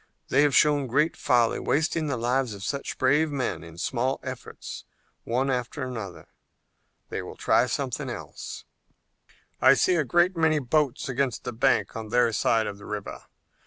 They have shown folly, wasting the lives of such brave men in small efforts one after another. They will try something else." "I see a great many boats against the bank on their side of the river.